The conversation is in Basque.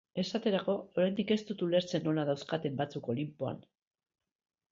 Esaterako, oraindik ez dut ulertzen nola dauzkaten batzuk Olinpoan.